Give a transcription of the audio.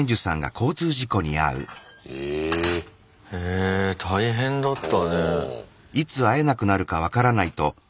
え大変だったね。